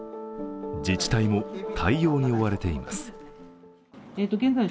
自治体も対応に追われています。